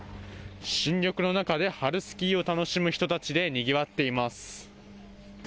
新緑の中で春スキーを楽しむ人たちでにぎわっています。